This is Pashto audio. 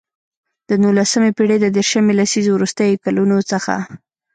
د نولسمې پېړۍ د دیرشمې لسیزې وروستیو کلونو څخه.